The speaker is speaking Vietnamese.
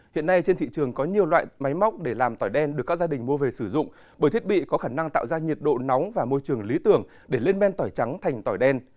hiện nay trên thị trường có nhiều loại máy móc để làm tỏi đen được các gia đình mua về sử dụng bởi thiết bị có khả năng tạo ra nhiệt độ nóng và môi trường lý tưởng để lên men tỏi trắng thành tỏi đen